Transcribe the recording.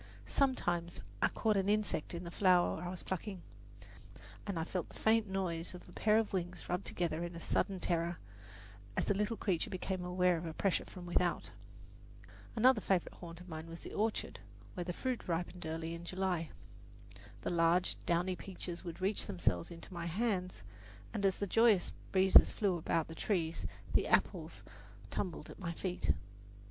Sometimes I caught an insect in the flower I was plucking, and I felt the faint noise of a pair of wings rubbed together in a sudden terror, as the little creature became aware of a pressure from without. Another favourite haunt of mine was the orchard, where the fruit ripened early in July. The large, downy peaches would reach themselves into my hand, and as the joyous breezes flew about the trees the apples tumbled at my feet.